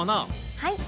はい。